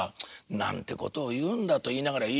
「何てことを言うんだ」と言いながら「いいよ分かった。